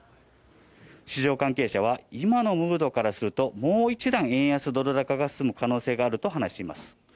市場関係者は、今のムードからするともう一段、円安ドル高が進む可能性があると話しています。